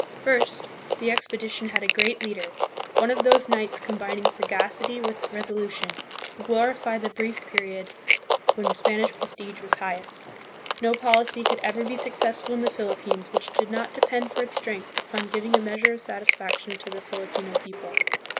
First. The expedition had a great leader, one of those knights combining sagacity with resolution, who glorify the brief period when Spanish prestige was highest. No policy could ever be successful in the Philippines which did not depend for its strength upon giving a measure of satisfaction to the Filipino people.